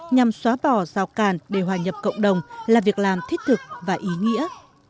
nhằm xóa bỏ rào càn để hòa nhập cộng đồng là việc làm thiết thực và ý nghĩa